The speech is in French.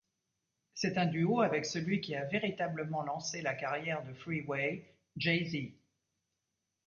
C'est un duo avec celui qui a véritablement lancé la carrière de Freeway, Jay-Z.